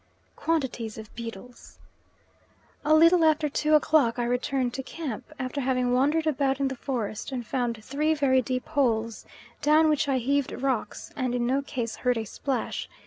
Quantities of beetles. A little after two o'clock I return to camp, after having wandered about in the forest and found three very deep holes, down which I heaved rocks and in no case heard a splash.